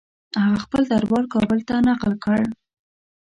هغه خپل دربار کابل ته نقل کړ.